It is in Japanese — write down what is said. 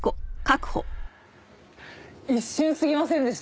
一瞬過ぎませんでした？